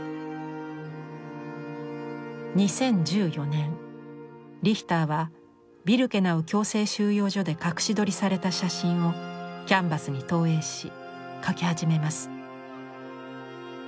２０１４年リヒターはビルケナウ強制収容所で隠し撮りされた写真をキャンバスに投影し描き始めます。